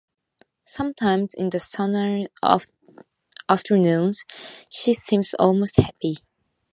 Sometimes, in the sunny afternoons, she seemed almost happy.